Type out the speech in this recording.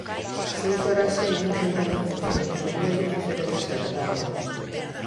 Se iso era así, non se entende como seguiron vendendo preferentes a esgalla.